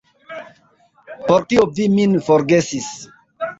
Por kio vi min forgesis?